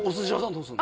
どうするの？